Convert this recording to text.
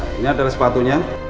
nah ini adalah sepatunya